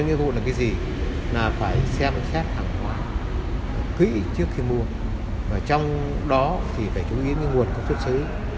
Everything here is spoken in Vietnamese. chúng ta phải xem xét hàng hóa kỹ trước khi mua và trong đó thì phải chú ý nguồn có xuất xứ